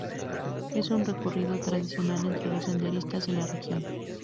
Es un recorrido tradicional entre los senderistas de la región.